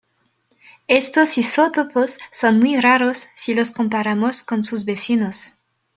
Estos isótopos son muy raros si los comparamos con sus vecinos.